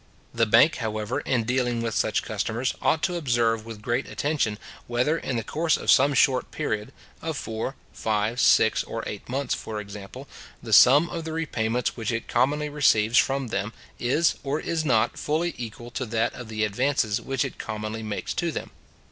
The bank, however, in dealing with such customers, ought to observe with great attention, whether, in the course of some short period (of four, five, six, or eight months, for example), the sum of the repayments which it commonly receives from them, is, or is not, fully equal to that of the advances which it commonly makes to them.